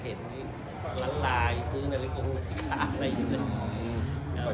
เห็นล้านลายซื้อนาฬิกาอะไรอย่างนี้